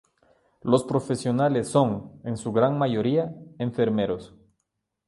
Los profesionales son, en su gran mayoría, Enfermeros.